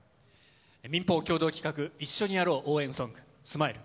民法共同企画、一緒にやろう応援ソング『ＳＭＩＬＥ